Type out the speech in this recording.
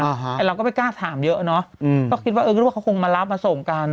อันนี้เราไม่ไปกล้าถามเยอะเนอะก็คิดว่าเขาคงมารับมาส่งกัน